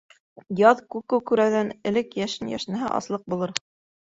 Яҙ күк күкрәүҙән элек йәшен йәшнәһә, аслыҡ булыр.